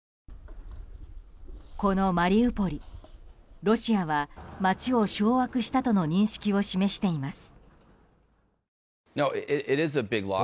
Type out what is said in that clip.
このマリウポリロシアは、街を掌握したとの認識を示しています。